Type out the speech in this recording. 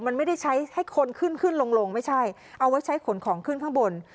มันไม่ได้ใช้ให้คนขึ้นขึ้นลงไม่ใช่เอาไว้ใช้ขนของขึ้นข้างบน